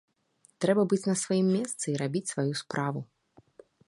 Трэба быць на сваім месцы і рабіць сваю справу!